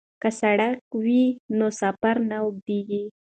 که سړک وي نو سفر نه اوږدیږي.